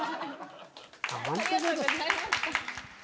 ありがとうございます。